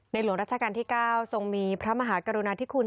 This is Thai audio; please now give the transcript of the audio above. หลวงราชการที่๙ทรงมีพระมหากรุณาธิคุณ